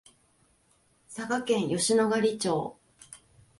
佐賀県吉野ヶ里町